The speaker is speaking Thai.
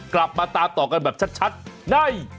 กลับมาตามต่อกันแบบชัดใน